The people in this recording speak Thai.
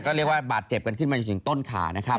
ก็เรียกว่าบาดเจ็บกันขึ้นมาจนถึงต้นขานะครับ